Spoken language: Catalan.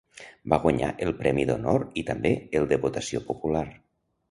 Van guanyar el Premi d'Honor i també el de votació popular.